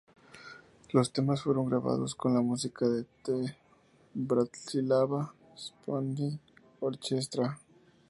Los temas fueron grabados con la música de "The Bratislava Symphony Orchestra".